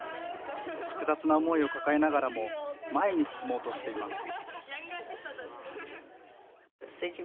複雑な思いを抱えながらも前に進もうとしています。